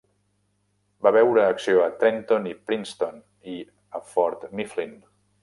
Va veure acció a Trenton i Princeton, i a Fort Mifflin.